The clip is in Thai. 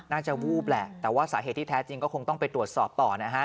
วูบแหละแต่ว่าสาเหตุที่แท้จริงก็คงต้องไปตรวจสอบต่อนะฮะ